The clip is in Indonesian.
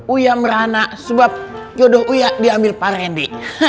uya merana sebab jodoh uya diambil pak randy